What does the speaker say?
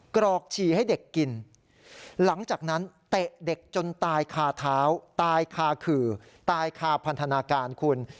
กรอกฉี่ให้เด็กกินหลังจากนั้นเตะเด็กจนตายคาเท้าตายคาขื่อตายคาพันธนาการคุณ